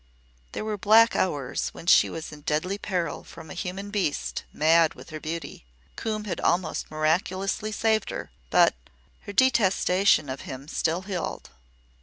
There were black hours when she was in deadly peril from a human beast, mad with her beauty. Coombe had almost miraculously saved her, but her detestation of him still held.